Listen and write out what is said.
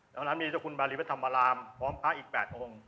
ตอนนั้นมีเจ้าคุณบารีพระธรรมรามพร้อมพระอีก๘องค์